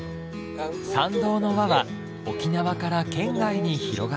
賛同の輪は沖縄から県外に広がっています。